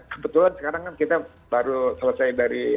kebetulan sekarang kan kita baru selesai dari